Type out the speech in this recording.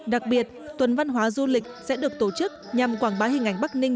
đặc biệt tuần văn hóa du lịch sẽ được tổ chức nhằm quảng bá hình ảnh bắc ninh